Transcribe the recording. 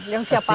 yang siap pakai